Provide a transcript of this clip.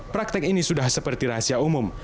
praktek ini sudah seperti rahasia umum